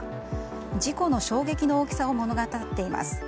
事故の衝撃の大きさを物語っています。